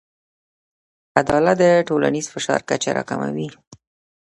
عدالت د ټولنیز فشار کچه راکموي.